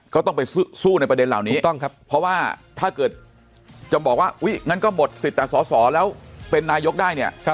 ก็ต้องไปสู้ในประเด็นเหล่านี้เพราะว่าถ้าเกิดจะบอกว่าอุ๊ยงั้นก็หมดสิทธิ์แต่สอสอแล้วเป็นนายกได้เนี่ย